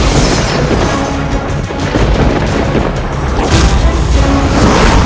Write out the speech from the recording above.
dia terre teman teman